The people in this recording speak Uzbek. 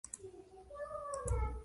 El ichra etiborim